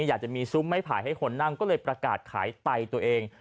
อยากจะมีซุ้มไม้ไผ่ให้คนนั่งก็เลยประกาศขายไตตัวเอง